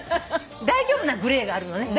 大丈夫なグレーがあるのね。